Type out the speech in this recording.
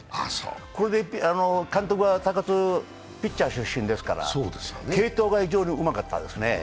これで高津監督はピッチャー出身ですから継投が非常にうまかったですね。